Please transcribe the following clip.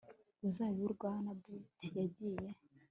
ruzabibu rwa naboti yagiye